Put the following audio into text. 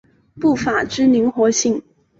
步法之灵活性。